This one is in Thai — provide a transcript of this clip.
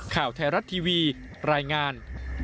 ข่าวไทยรัฐทีวีรายงาน